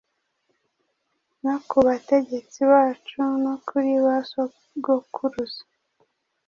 no ku bategetsi bacu no kuri ba sogokuruza,